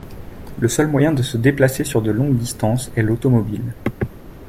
Le seul moyen de se déplacer sur de longues distances est l'automobile.